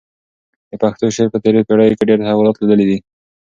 د پښتو شعر په تېرو پېړیو کې ډېر تحولات لیدلي دي.